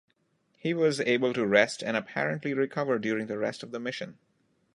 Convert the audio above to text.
He was able to rest and apparently recover during the rest of the mission.